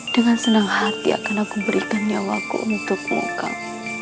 dengan senang hati akan aku berikan nyawaku untukmu kak